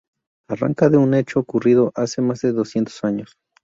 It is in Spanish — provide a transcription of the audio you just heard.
Arranca de un hecho ocurrido hace más de doscientos años.